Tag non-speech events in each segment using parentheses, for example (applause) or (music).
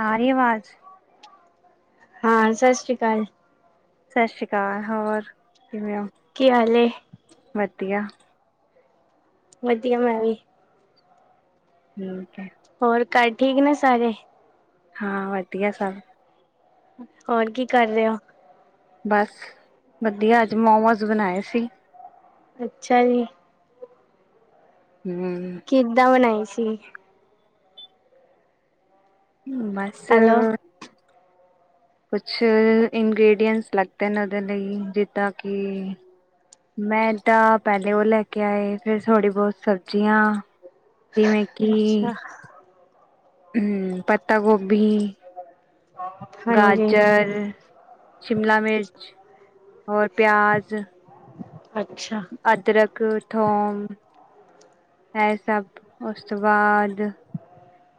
ਆ ਰਹੀ ਆਵਾਜ਼ ਹਾਂ ਸਤਿ ਸ਼੍ਰੀ ਅਕਾਲ, ਸਤਿ ਸ਼੍ਰੀ ਅਕਾਲ ਹੋਰ ਕਿਵੇਂ ਹੋ? ਕੀ ਹਾਲ ਏ? ਵਧੀਆ, ਵਧੀਆ ਮੈਂ ਵੀ, ਹੂੰ, ਹੋਰ ਘਰ ਠੀਕ ਨੇ ਸਾਰੇ, ਹਾਂ ਵਧੀਆ ਸਭ, ਹੋਰ ਕੀ ਕਰ ਰਹੇ ਹੋ? ਬਸ ਵਧੀਆ ਅੱਜ ਮੋਮੋਸ ਬਣਾਏ ਸੀ। ਅੱਛਾ ਜੀ। ਹੂੰ। ਕਿਦਾਂ ਬਣਾਈ ਸੀ? ਬੱਸ। ਹੈਲੋ ਕੁਛ ਇੰਗ੍ਰਡੀਐਂਟਸ ਲੱਗਦੇ ਨੇ ਉਹਦੇ ਲਈ ਜਿੱਦਾਂ ਕਿ ਮੈਂ ਤਾਂ ਪਹਿਲੇ ਉਹ ਲੈ ਕੇ ਆਏ ਫੇਰ ਥੋੜ੍ਹੀ ਬਹੁਤ ਸਬਜ਼ੀਆਂ ਜਿਵੇਂ ਕਿ ਅੱਛਾ ਹੂੰ ਪਤਾ ਗੋਭੀ ਹਾਂਜੀ ਗਾਜਰ, ਸ਼ਿਮਲਾ ਮਿਰਚ ਔਰ ਪਿਆਜ਼ ਅੱਛਾ, ਅਦਰਕ, ਥੋਮ, ਇਹ ਸਭ ਉਸ ਤੋਂ ਬਾਅਦ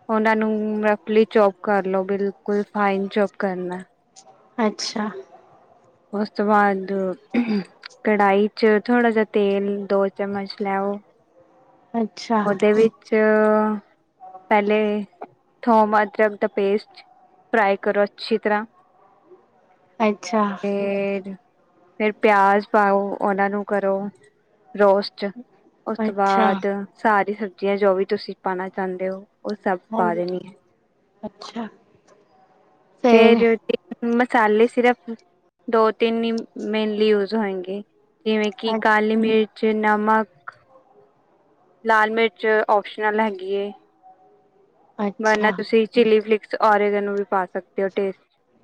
ਉਹਨਾਂ ਨੂੰ ਰਫਲੀ ਚੋਪ ਕਰ ਲਉ, ਬਿਲਕੁਲ ਫਾਈਨ ਚੋਪ ਕਰਨਾ। ਅੱਛਾ। ਉਸ ਤੋਂ ਬਾਅਦ ਕੜਾਹੀ ਥੋੜ੍ਹਾ ਜਿ ਤੇਲ ਦੋ ਚਮਚ ਲੈਓ ਅੱਛਾ ਉਹਦੇ ਵਿੱਚ। ਚ ਪਹਿਲੇ ਥੋਮ ਅਦਰਕ ਦਾ ਪੇਸਟ। ਫਰਾਈ ਕਰੋ ਅੱਛੀ ਤਰਾ। ਅੱਛਾ। ਫ ਫਰ ਪਿਆਜ ਪਾਓ ਉਹਨਾਂ ਨੂੰ ਕਰੋ ਰੋਸਟ। ਉਸ ਤੋਂ ਅੱਛਾ ਬਾਅਦ ਸਾਰੀ ਸਬਜ਼ੀਆਂ ਜੋ ਵੀ ਤੁਸੀਂ ਪਾਣਾ ਚਾਹੁੰਦੇ ਹੋ। ਉਹ ਸਭ ਪਾ ਹਾਂਜੀ ਦੇਣੀ ਹੈ। ਅੱਛਾ। ਫੇਰ ਮਸਾਲੇ ਸਿਰਪ ਦੋ ਤਿੰਨ ਹੀ ਮੇਨਲੀ ਯੂਜ ਹੋਣਗੇ ਜਿਵੇਂ ਕਿ ਅ ਕਾਲੀ ਮਿਰਚ ਨਮਕ ਲਾਲ ਮਿਰਚ ਓਪਸ਼ਨਲ ਹੈਗੀ ਹੈ। ਵਰਨਾ ਅੱਛਾ ਤੁਸੀਂ ਚਿੱਲੀ ਫਲਿਕਸ ਓਰੇਗਨ ਨੂੰ ਵੀ ਪਾ ਸਕਦੇ ਹੋ ਟੇਸਟ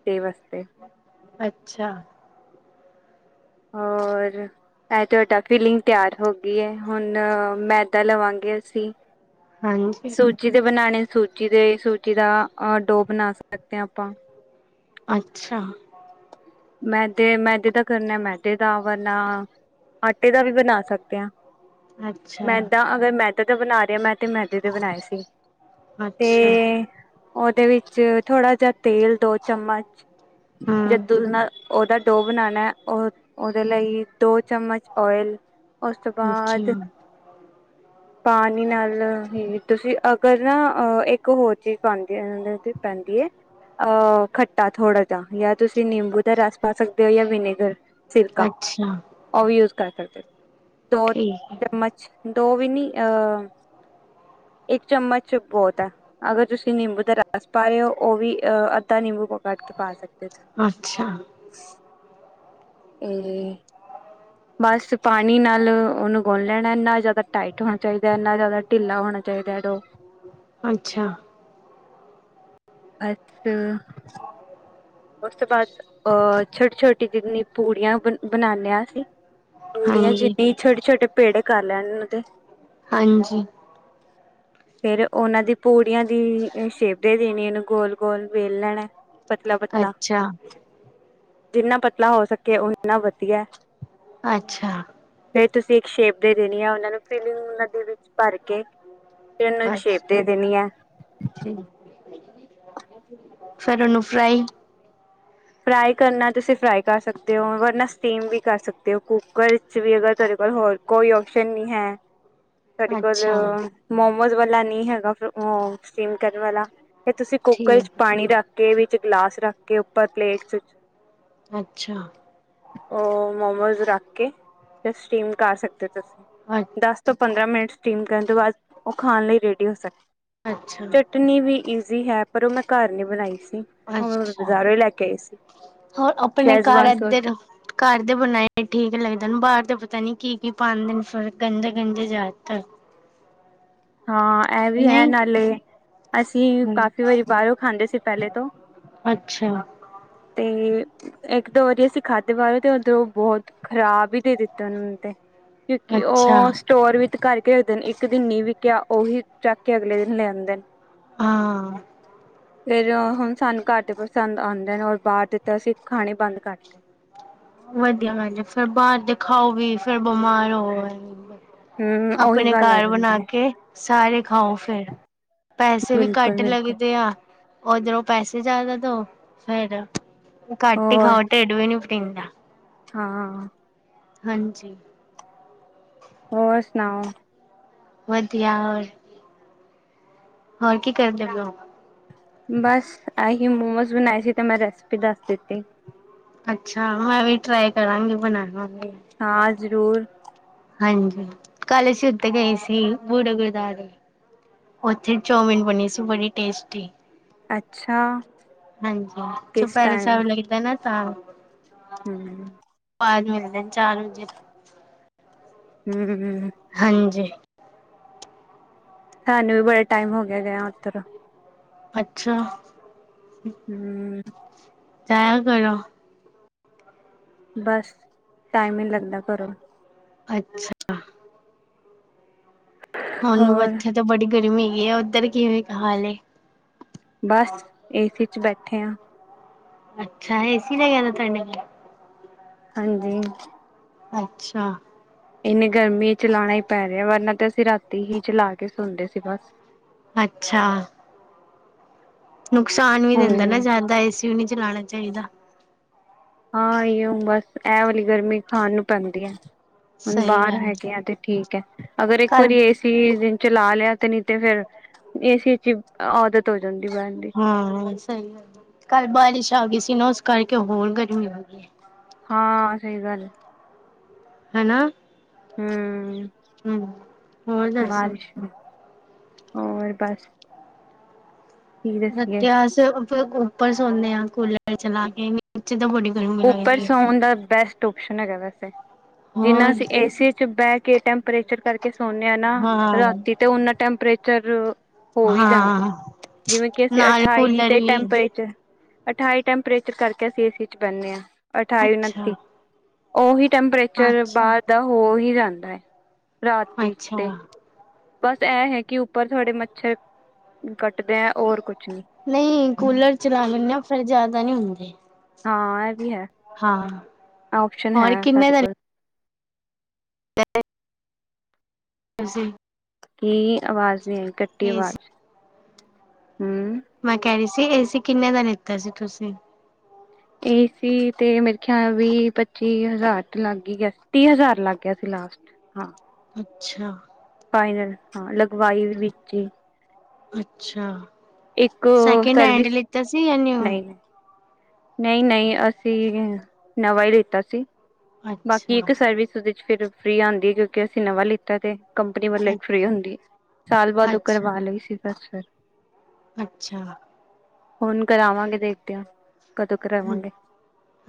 ਦੇ ਵਾਸਤੇ। ਅੱਛਾ। ਹੋਰ ਇਹ ਤੁਹਾਡਾ ਫੀਲਿੰਗ ਤਿਆਰ ਹੋ ਗਈ ਹੈ ਹੁਣ ਮੈਦਾ ਲਵਾਂਗੇ ਅਸੀਂ। ਹਾਂਜੀ। ਸੂ ਜਿ ਦੇ ਬਣਾਣੇ ਸੂਜੀ ਦੇ ਸੂਜੀ ਦਾ ਡੋਅ ਬਣਾ ਸਕਦੇ ਹਾਂ ਆਪਾਂ। ਅੱਛਾ। ਮੈਦੇ ਮੈਦੇ ਤਾਂ ਕਰਨੇ ਮੈਦੇ। ਆਟੇ ਦਾ ਵਰਨਾ ਆਟੇ ਦਾ ਵੀ ਬਣਾ ਸਕਦੇ ਹਾਂ ਅੱਛਾ ਮੈਦਾ ਅਗਰ ਮੈ ਤੇ ਬਣਾ ਰਿਹਾ ਮੈਂ ਤੇ ਮੈਦੇ ਦੇ ਬਣਾਏ ਸੀ ਤੇ ਅੱਛਾ ਉਹਦੇ ਵਿੱਚ ਥੋੜਾ ਜਿ ਤੇਲ ਦੋ ਚਮਚ ਜ ਹਮ ਦੁੱਧ ਨਾਲ ਉਹਦਾ ਡੋ ਬਣਾਉਣਾ ਉਹਦੇ ਲਈ ਦੋ ਚਮਚ ਆਇਲ ਉਸ ਤੋਂ ਬਾਅਦ ਅੱਛਾ (inaudible) ਪਾਣੀ ਨਾਲ ਹੀ ਤੁਸੀਂ ਅਗਰ ਨਾ ਅਹ ਇੱਕ ਹੋਰ ਚੀਜ਼ ਪਾਉਂਦੀ ਪੈਂਦੀ ਹੈ। ਖੱਟਾ ਥੋੜ੍ਹਾ ਜਿਹਾ ਜਾਂ ਤੁਸੀਂ ਨਿੰਬੂ ਦਾ ਰਸ ਪਾ ਸਕਦੇ ਹੋ ਜਾਂ ਵਿਨੇਗਰ ਸਿਰਕਾ ਅੱਛਾ ਉਹ ਵੀ ਯੂਜ ਕਰ ਸਕਦੇ ਦੋ ਠੀਕ ਹੈ ਚਮਚ ਦੋ ਵੀ ਨੀ ਅ ਇੱਕ ਚਮਚ ਬਹੁਤ ਹੈ ਅਗਰ ਤੁਸੀਂ ਨੀੰਬੂ ਦਾ ਬੱਸ ਪਾ ਰਹੇ ਹੋ ਉਹ ਵੀ ਅਹ ਅੱਧਾ ਨੀੰਬੂ ਪ ਕੱਟ ਕੇ ਪਾ ਸਕਦੇ ਹੋ ਤੁ ਅੱਛਾ। ਏ ਰੇ। ਬਸ ਪਾਣੀ ਨਾਲ ਉਹਨੂੰ ਗੁੰਣ ਲੈਣਾ ਇੰਨਾ, ਨਾ ਜ਼ਿਆਦਾ ਟਾਈਟ ਹੋਣਾ ਚਾਹੀਦਾ ਨਾ ਜ਼ਿਆਦਾ ਢਿੱਲਾ ਹੋਣਾ ਚਾਹੀਦਾ ਡੋ। ਅੱਛਾ। (unintelligible) ਉਸ ਤੋਂ ਬਾਅਦ ਅਹ ਛੋਟੀ-ਛੋਟੀ ਜਿੰਨੀ ਪੂੜੀਆਂ ਬ ਬਣਾਉਨੇ ਹਾਂ ਅਸੀਂ। ਪੂੜੀਆਂ ਹਾਂਜੀ ਜਿੱਡੀ ਛੋਟੇ-ਛੋਟੇ ਪੇੜੇ ਕਰ ਲੈਣ ਉਹ ਦੇ। ਹਾਂਜੀ। ਫਿਰ ਉਹਨਾਂ ਦੀ ਪੂੜੀਆਂ ਦੀ ਸ਼ੇਪ ਦੇ ਦੇਣੀ ਉਹਨੂੰ ਗੋਲ ਗੋਲ ਵੇਲ ਲੈਣਾ। ਮਤਲਬ। ਅੱਛਾ। ਜਿੰਨਾ ਪਤਲਾ ਹੋ ਸਕੇ ਉੱਨਾ ਵੱਧੀਆ। ਅੱਛਾ। ਫਰ ਤੁਸੀਂ ਇੱਕ ਸ਼ੇਪ ਦੇ ਦੇਣੀ ਆ ਉਹਨਾਂ ਨੂੰ ਫਿਲਿੰਗ ਉਹ ਦੇ ਵਿੱਚ ਭਰ ਕੇ ਫ ਇਹਨੂੰ ਇੱਕ ਅੱਛ ਸ਼ੇਪ ਦੇ ਦੇਣੀ ਹੈ। ਫਿਰ ਉਹਨੂੰ ਫਰਾਈ ਫਰਾਈ ਕਰਨਾ ਤੁਸੀਂ ਫਰਾਈ ਕਰ ਸਕਦੇ ਹੋ ਕਰਨਾ ਸਟੀਮ ਵੀ ਕਰ ਸਕਦੇ ਹੋ ਕੁੂੱਕਰ 'ਚ ਵੀ ਅਗਰ ਤੁਹਾਡੇ ਕੋਲ ਹੋਰ ਕੋਈ ਔਪਸ਼ਨ ਨਹੀਂ ਹੈ। ਹ। ਤੁਹਾਡੇ ਕੋਲ ਮੋਮੋਸ ਵਾਲਾ ਨਹੀਂ ਹੈਗਾ ਸਟੀਮ ਕਰਨ ਵਾਲਾ ਤੇ ਤੁਸੀਂ ਕੁੱਕਰ 'ਚ ਠੀਕ ਪਾਣੀ ਰੱਖ ਕੇ ਵਿੱਚ ਗਲਾਸ ਰੱਖ ਕੇ ਉੱਪਰ ਪਲੇਟਸ ਵਿੱਚ ਅੱਛਾ। ਉਹ ਮੋਮੋਸ ਰੱਖ ਕੇ ਤੇ ਸਟੀਮ ਕਰ ਸਕਦੇ ਹੋ ਤੁਸੀਂ। (unintelligible) ਦਸ ਤੋਂ ਪੰਦਰਾਂ ਮਿੰਟ ਸਟੀਮ ਕਰਨ ਤੋਂ ਬਾਅਦ ਉਹ ਖਾਣ ਲਈ ਰੈਡੀ ਹੋ ਸਕੇ। ਅੱਛਾ। ਚਟਣੀ ਵੀ ਈਜ਼ੀ ਹੈ, ਪਰ ਉਹ ਮੈਂ ਘਰ ਨਹੀਂ ਬਣਾਈ ਸੀ ਉਹ ਅੱਛਾ ਬਾਜ਼ਾਰੋਂ ਹੀ ਲੈ ਕੇ ਆਈ ਸੀ। ਹੋਰ ਆਪਣੇ ਘਰ ਸ਼ੈਜ਼ਵਾਨ ਸੋਸ ਏਧੱਰ। ਘਰ ਦੇ ਬਣਾਏ ਠੀਕ ਲੱਗਦੇ ਬਾਹਰ ਦੇ ਪਤਾ ਨਹੀਂ ਕੀ ਕੀ ਪਾਂਦੇ ਨੇ ਫਿਰ ਗੰਦੇ ਗੰਦੇ ਜਿਆਦਾਤਰ ਹਾਂ, ਇਹ ਵੀ ਹੈ ਨਹੀਂ ਨਾਲੇ ਅਸੀਂ ਕਾਫ਼ੀ ਵਾਰੀ ਬਾਹਰੋਂ ਖਾਂਦੇ ਸੀ ਪਹਿਲੇ ਤੋਂ। ਅੱਛਾ। ਤੇ ਇੱਕ ਦੋ ਵਾਰੀ ਅਸੀਂ ਖਾਧੇ ਬਾਹਰੋ ਤੇ ਉਧਰੋਂ ਬਹੁਤ ਖ਼ਰਾਬ ਹੀ ਦੇ ਦਿੱਤੇ ਉਹਨੇ ਤੇ। ਕਿਉਂਕਿ ਅੱਛਾ ਉਹ ਸਟੋਰ ਵਿੱਚ ਕਰਕੇ ਦਿਨ ਇੱਕ ਦਿਨ ਨੀ ਵਿਕਿਆ ਉਹੀ ਚੱਕ ਕੇ ਅਗਲੇ ਦਿਨ ਲਿਆਂਦੇ ਨੇ। ਹਾਂ। ਫਿਰ ਹੁਣ ਸਾਨੂੰ ਘੱਟ ਹੀ ਪਸੰਦ ਆਦੇ ਨੇ, ਔਰ ਬਾਹਰ ਦੇ ਤਾਂ ਅਸੀਂ ਖਾਣੇ ਬੰਦ ਕਰ ਦਿੱਤੇ। ਵੱਧੀਆ ਗੱਲ ਏ ਫੇਰ ਬਾਹਰ ਦੀ ਖਾਓ ਵੀ ਫੇਰ ਬਿਮਾਰ ਹੋ। ਹੂੰ ਉਹੀ ਆਪਣੇ ਗੱਲ ਆ ਘਰ ਬਣਾ ਜਾਂਦੀ ਹੈ ਕੇ ਸਾਰੇ ਖਾਉ ਫਿਰ। ਪੈਸੇ ਵੀ ਬਿਲਕੁਲ ਘੱਟ ਬਿਲਕੁਲ ਲੱਗਦੇ ਆ। ਉਧਰੋਂ ਪੈਸੇ ਜ਼ਿਆਦਾ ਦੋ ਫੇਰ ਘੱਟ ਹੀ ਹੋਰ ਖਾਉ, ਟਿੱਡ ਵੀ ਨਹੀਂ ਟਿੰਡਾ। ਹਾਂ। ਹਾਂਜੀ। ਹੋਰ ਸੁਣਾਓ। ਵਧੀਆ ਹੋਰ, ਹੋਰ ਕੀ ਕਰਦੇ ਪਏ ਹੋ। ਬਸ ਏਹੀ ਮੋਮੋਸ ਬਣਾਏ ਸੀ ਤੇ ਮੈਂ ਰੈਸਪੀ ਦੱਸ ਦਿੱਤੀ। ਅੱਛਾ, ਮੈਂ ਵੀ ਟਰਾਈ ਕਰਾਂਗੀ ਬਣਾਣ ਵੇਲੇ। ਹਾਂ, ਜ਼ਰੂਰ। ਹਾਂਜੀ, ਕੱਲ ਅਸੀ ਉੱਥੇ ਗਏ ਸੀ ਬੂੜੇ। (unintelligible) ਉੱਥੇ ਚਾਓਮਿਨ ਬਣੀ ਸੀ ਬੜੇ ਟੇਸਟੀ। ਅੱਛਾ ਹਾਂਜੀ ਕਿਸ ਚੁਪੈਰੇ ਟਾਈਮ ਸਾਹਿਬ ਲੱਗਦਾ ਨਾ ਤਾਂ। ਹੂੰ। ਬਾਹਰ ਮਿਲਦੇ ਨ ਚਾਰ ਵਜੇ ਹੂ ਹੂ ਹੂ ਹਾਂਜੀ ਸਾਨੂੰ ਵੀ ਬੜੇ ਟਾਈਮ ਹੋ ਗਿਆ, ਗਯਾ ਉੱਧਰ। ਅੱਛਾ ਹੂ ਜਾਇਆ ਕਰ ਬਸ ਟਾਈਮ ਹੀ ਲੱਗਦਾ ਘਰੋਂ ਅੱਛਾ। ਹੁਣ ਹੋਰ ਇੱਥੇ ਤਾਂ ਬੜੀ ਗਰਮੀ ਹੈਗੀ ਆ ਉੱਧਰ ਕੀ ਹੋਏ ਕ ਹਾਲੇ। ਬਸ ਏ ਸੀ ਚ ਬੈਠੇ ਹਾਂ। ਅੱਛਾ ਏ ਸੀ ਨਹੀਂ ਹੈਗਾ ਤੁਹਾਡੇ। ਹਾਂਜੀ। ਅੱਛਾ। ਇੰਨੀ ਗਰਮੀ ਚਲਾਉਣਾ ਹੀ ਪੈ ਰਿਹਾ ਵਰਨਾ ਤੇ ਅਸੀਂ ਰਾਤੀ ਹੀ ਚਲਾ ਕੇ ਸੋਂਦੇ ਸੀ ਬਸ। ਅੱਛਾ ਨੁਕਸਾਨ ਵੀ ਹੂੰ ਦਿੰਦਾ ਨਾ ਜ਼ਿਆਦਾ ਏ ਸੀ ਨੀ ਚਲਾਉਣਾ ਚਾਹੀਦਾ। ਹਾਂ ਇਹੋ ਬਸ ਐਹ ਵਾਲੀ ਗਰਮੀ ਖਾਣ ਨੂੰ ਪੈਂਦੀ ਹੈ। ਹੁਣ ਸਹੀ ਗੱਲ ਬਾਹਰ ਹੈਗੇ ਆ ਤੇ ਠੀਕ ਹੈ, ਅਗਰ ਇੱਕ ਕੱਲ ਵਾਰੀ ਏ ਸੀ ਕਿਸੀ ਦਿਨ ਚਲਾ ਲਿਆ, ਤੇ ਨਹੀਂ ਤੇ ਫਿਰ ਏ ਸੀ ਚ ਆਦਤ ਹੋ ਜਾਂਦੀ, ਬਹਿਣ ਦੀ। ਹਾਂ ਸਹੀੱ ਗਲ ਐ, ਕੱਲ ਬਾਰਿਸ਼ ਆ ਗਈ ਸੀ ਨਾ ਉਸ ਕਰਕੇ ਹੋਰ ਗਰਮੀ ਹੋ ਗਈ ਹੈ। ਹਾਂ ਸਹੀ ਗੱਲ ਐ। ਹੈਨਾ ਹੂ ਹੋਰ ਦੱਸੋ? ਬਾਰਿਸ਼, ਹੋਰ ਬਸ ਕੀ ਰੇ ਦੱਸੀਏ ਅਸੀ ਤੇ ਉੱਪਰ ਸੌਦੇ ਆ ਕੂਲਰ ਚਲਾ ਕੇ, ਨੀਚੇ ਤਾਂ ਬੜੀ ਗਰਮੀ ਉੱਪਰ ਲੱਗਦੀ ਹੈ। ਸੌਉਣ ਦਾ ਬੈਸਟ ਔਪਸ਼ਨ ਹੈਗਾ ਵੈਸੇ, ਜਿੰਨਾ ਹੋਰ ਚ ਏ ਸੀ ਚ ਬਹਿ ਕੇ ਟੈਂ ਟੈਪਰੇਚਰ ਕਰਕੇ ਸੋਨੇ ਆ ਨਾ ਹਾਂ ਰਾਤੀ ਤੇ, ਉਨਾ ਟੈਂਪਰੇਚਰ ਹੋ ਹੀ ਜਾਂਦਾ, ਹਾਂ ਜਿਵੇਂ ਕਿ ਅਸੀਂ ਨਾਲ ਅਠਾਈ ਕੂਲਰ ਤੇ ਵੀ ਟੈਂਪਰੇਚਰ ਅਠਾਈ ਟੈਂਪਰੇਚਰ ਕਰਕੇ ਅਸੀਂ ਏ ਸੀ ਚ ਬੰਨੇ ਹਾਂ, ਅਠਾਈ ਅੱਛਾ ਉਨੱਤੀ ਉਹੀ ਟੈਂਪਰੇਚਰ ਅੱਛਾ ਬਾਹਰ ਦਾ ਹੋ ਹੀ ਜਾਂਦਾ ਹੈ ਰਾਤੀ ਅੱਛਾ ਤੇ ਬਸ ਇਹ ਹੈ ਕਿ ਉੱਪਰ ਥੋੜੇ ਮੱਛਰ ਕੱਟਦੇ ਹੈ, ਹੋਰ ਕੁਛ ਨਹੀਂ ਨਹੀਂ ਕੂਲਰ ਚਲਾ ਲੈਂਨੇ ਆ, ਫਿਰ ਜ਼ਿਆਦਾ ਨਹੀਂ ਹੁੰਦੇ ਹਾਂ ਇਹ ਵੀ ਹੈ, ਹਾਂ ਆਪਸ਼ਨ ਹੈ ਹੋਰ ਕਿੰਨੇ ਸਾਡੇ ਦਾ ਕੋਲ ਅਸੀ ਕੀ ਆਵਾਜ਼ ਨਹੀਂ ਆ, ਕੱਟੀ ਏਸੀ ਅਵਾਜ਼, ਹੂ ਮੈਂ ਕਹਿ ਰਹੀ ਸੀ, ਏ ਸੀ ਕਿੰਨੇ ਦਾ ਲਿੱਤਾ ਸੀ ਤੁਸੀਂ। ਏ ਸੀ ਤੇ ਮੇਰੇ ਖਿਆਲ ਵੀ ਪੱਚੀ ਹਜ਼ਾਰ ਤੋਂ ਲੱਗ ਹੀ ਗਿਆ ਸੀ, ਤੀਹ ਹਜ਼ਾਰ ਲੱਗ ਗਿਆ ਸੀ ਲਾਸਟ। ਹਾਂ ਅੱਛਾ ਫਾਈਨਲ, ਹਾਂ ਲਗਵਾਈ ਵੀ ਵਿੱਚੇ। ਅੱਛਾ, ਇੱਕ ਸੈਕਿੰਡ ਹੈਂਡ ਸਰਵਿਸ ਲਿੱਤਾ ਸੀ, ਯਾ ਨਿਊ। ਨਹੀਂ ਨਹੀਂ ਨਹੀਂ ਨਹੀਂ, ਅਸੀਂ ਨਵਾਂ ਹੀ ਲਿੱਤਾ ਸੀ। ਬਾਕੀ ਇੱਕ ਅੱਛਾ ਸਰਵਿਸ ਉਹਦੇ ਚ ਫਿਰ ਫ੍ਰੀ ਆਉਂਦੀ ਹੈ, ਕਿਉਂਕਿ ਅਸੀਂ ਨਵਾਂ ਲਿੱਤਾ ਤੇ ਕੰਪਨੀ ਵੱਲੋਂ ਇੱਕ ਫ੍ਰੀ ਹੁੰਦੀ ਐ, ਸਾਲ ਬਾਅਦ ਉਹ ਅੱਛਾ ਕਰਵਾ ਲਈ ਸੀ ਫਿਰ ਅੱਛਾ ਹੁਣ ਕਰਾਵਾਂਗੇ ਦੇਖਦੇ ਆਂ, ਕਦੋਂ ਕਰਾਵਾਂਗੇ।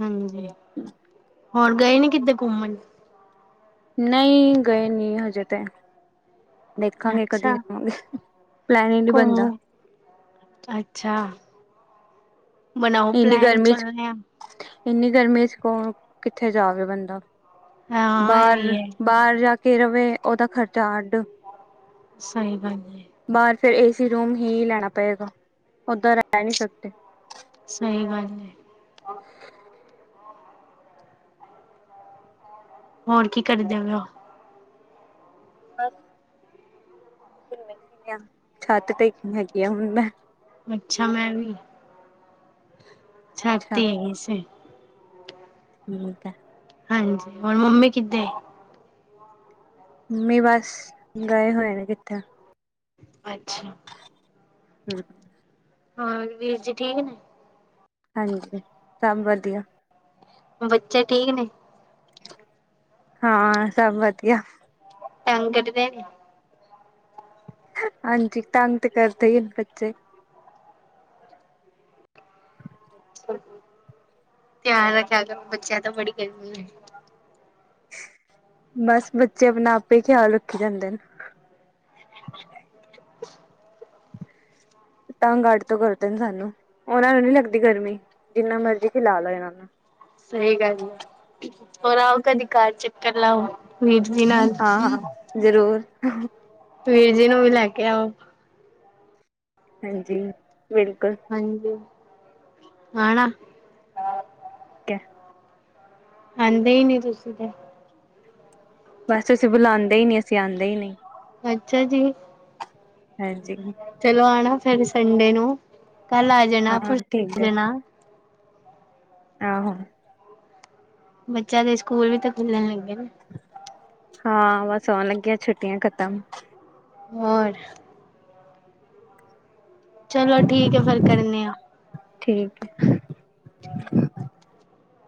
ਹਾਂਜੀ, ਹੁਣ ਗਏ ਨੀ ਕਿਤੇ ਘੁੰਮਣ? ਨਹੀਂ ਗਏ ਨਹੀਂ ਹਜੇ ਤੇ। ਦੇਖਾਂਗੇ ਕਦੀ ਅੱਛਾ ਜਾਵਾਂਗੇ, ਪਲੈਨ ਹੀ ਨੀ ਬਣਦਾ। ਅੱਛਾ ਅੱਛਾ। ਬਣਾਓ ਇੰਨੀ ਪਲੈਨ ਗਰਮੀ ਚ, ਚੱਲਣੇ ਆ ਇੰਨੀ ਗਰਮੀ ਚ ਕੌਣ ਕਿੱਥੇ ਜਾਵੇ ਬੰਦਾ। ਹਾਂ ਇਹ ਬਾਹਰ ਵੀ ਹੈ ਬਾਹਰ ਜਾ ਕੇ ਰਵੇ, ਉਹਦਾ ਖ਼ਰਚਾ ਅੱਡ। ਸਹੀ ਗੱਲ ਏ। ਬਾਹਰ ਚ ਫਿਰ ਏਸੀ ਰੂਮ ਹੀ ਲੈਣਾ ਪਏਗਾ, ਉਧਰ ਰਹਿ ਨਹੀਂ ਸਕਦੇ। ਸਹੀ ਗੱਲ ਐ। ਹੋਰ ਕੀ ਕਰਦੇ ਵਯੋ? ਬਸ (unintelligible) ਛੱਤ ਟੇਕਣੀ ਹੈਗੀ ਆ ਹੁਣ ਮੈਂ। ਅੱਛਾ ਮੈਂ ਵੀ, ਛੱਤ ਅੱਛਾ ਤੇ ਹੈਗੀ ਸੀ ਠੀਕ ਆ। ਹਾਂਜੀ, ਹੋਰ ਮੰਮੀ ਕਿਥੇ ਮਮੀ ਬਸ ਗਏ ਹੋਏ ਨੇ ਕਿੱਥੇ। ਅੱਛਾ ਹੂ ਹਾਂ, ਵੀਰ ਜੀ ਠੀਕ ਨੇ। ਹਾਂਜੀ ਸਭ ਵਧੀਆ ਬੱਚੇ ਠੀਕ ਨੇ? ਹਾਂ ਸਭ ਵਧੀਆ। ਟਾਈਮ ਕੱਢਦੇ- ਹਾਂਜੀ ਤੰਗ ਤੇ ਕਰਦੇ ਹੀ ਨੇ ਬੱਚੇ। ਧਿਆਨ ਰੱਖਿਆ ਕਰੋ ਬੱਚਿਆਂ ਦਾ ਬੜੀ ਗਰਮੀ ਐ। ਬਸ ਬੱਚੇ ਆਪਣਾ ਆਪੇ ਖਿਆਲ ਰੱਖੀ ਜਾਂਦੇ ਨੇ। (unintelligible) ਤੰਗ ਅੱਡ ਤੋਂ ਕਰਦੇ ਨੇ ਸਾਨੂੰ, ਉਹਨਾਂ ਨੂੰ ਨੀ ਲੱਗਦੀ ਗਰਮੀ ਜਿੰਨਾ ਮਰਜ਼ੀ ਕਿ ਖਿਲਾ ਲਓ ਇਹਨਾਂ ਨੂੰ। ਸਹੀ ਗੱਲ ਐ ਹੋਰ ਆਓ ਕਦੇ ਘਰ ਚੱਕਰ ਲਾਓ ਗੇ। ਵੀਰ ਜੀ ਨਾਲ- ਹਾਂ ਹਾਂ ਜ਼ਰੂਰ। ਵੀਰ ਜੀ ਨੂੰ ਵੀ ਲੈ ਕੇ ਆਓ। ਹਾਂਜੀ ਬਿਲਕੁਲ। ਹਾਂਜੀ ਖਾਣਾ- ਕੇ- ਆਂਦੇ ਹੀ ਨੀ ਤੁਸੀਂ ਤੇ। ਬਸ ਅਸੀਂ ਬੁਲਾਦੇ ਹੀ ਨਹੀਂ ਅਸੀਂ ਆਦੇ ਹੀ ਨਹੀਂ। ਅੱਛਾ ਜੀ। ਹਾਂਜੀ। ਚਲੋ ਆਣਾ ਫਿਰ ਸੰਡੇ ਨੂੰ, ਕੱਲ ਆ ਜਾਣਾ ਹਾਂ ਪਰਸੋਂ ਠੀਕ ਆ ਹੈ ਜਾਣਾ। ਆਹੋ। ਬੱਚਿਆਂ ਦੇ ਸਕੂਲ ਵੀ ਤਾਂ ਖੁੱਲਣ ਲੱਗੇ ਨੇ। ਹਾਂ ਬਸ ਆਉਣ ਲੱਗੀਆਂ ਛੁੱਟੀਆਂ ਖਤਮ। ਹੋਰ। ਚਲੋ ਠੀਕ ਐ ਫਿਰ ਕਰਨੇ ਆ। ਠੀਕ ਐ।